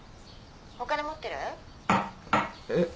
お金持ってる？えっ？